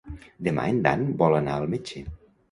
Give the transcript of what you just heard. Demà en Dan vol anar al metge.